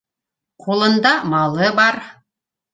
Ҡулында малы бар